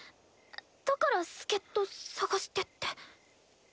だから助っ人探してて。